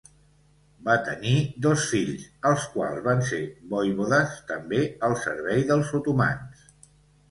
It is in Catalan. Va tenir dos fills, els quals van ser Voivodes també al servei dels otomans.